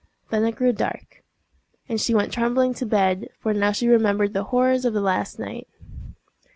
Then it grew dark, and she went trembling to bed, for now she remembered the horrors of the last night.